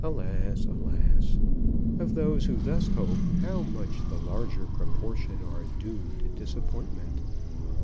Alas! alas! Of those who thus hope how much the larger proportion are doomed to disappointment.